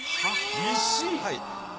はい。